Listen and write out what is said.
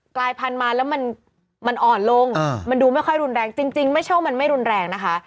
กลายพันธุ์มาแล้วมันอ่อนลงมันดูไม่ค่อยรุนแรงจริงไม่ใช่ว่ามันไม่รุนแรงนะคะ